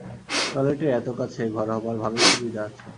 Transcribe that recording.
টয়লেটের এত কাছে ঘর হবার ভালোই সুবিধা আছে।